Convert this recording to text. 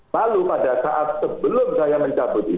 lalu pada saat sebelum saya mencabut itu